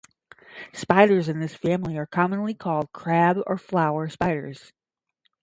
Spiders in this family are commonly called "crab" or "flower" spiders.